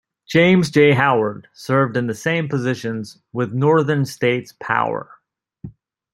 James J. Howard served in the same positions with Northern States Power.